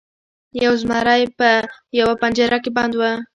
یو زمری په یوه پنجره کې بند و.